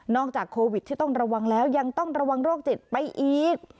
จากโควิดที่ต้องระวังแล้วยังต้องระวังโรคจิตไปอีก